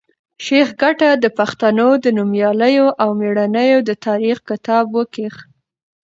شېخ کټه د پښتنو د نومیالیو او مېړنیو د تاریخ کتاب وکېښ.